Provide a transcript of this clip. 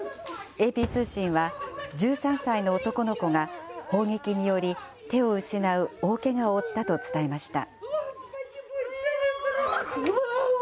ＡＰ通信は、１３歳の男の子が、砲撃により手を失う大けがを負ったと伝えました。